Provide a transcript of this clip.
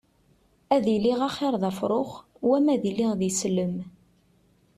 Ad iliɣ axiṛ d afṛux wama ad iliɣ d islem.